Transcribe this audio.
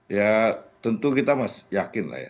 ya tentu kita masih yakin lah ya